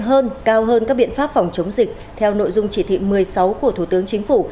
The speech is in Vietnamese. hơn cao hơn các biện pháp phòng chống dịch theo nội dung chỉ thị một mươi sáu của thủ tướng chính phủ